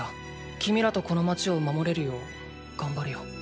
君らとこの街を守れるよう頑張るよ。